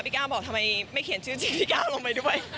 ก้าวบอกทำไมไม่เขียนชื่อจริงพี่ก้าวลงไปด้วย